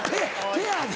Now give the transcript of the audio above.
ペアで。